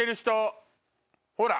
ほら！